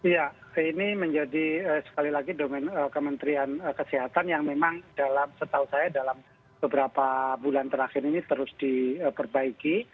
ya ini menjadi sekali lagi domain kementerian kesehatan yang memang dalam setahu saya dalam beberapa bulan terakhir ini terus diperbaiki